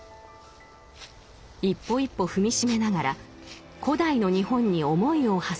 一歩一歩踏み締めながら古代の日本に思いをはせる旅。